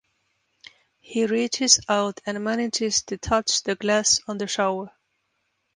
He reaches out and manages to touch the glass on the shower.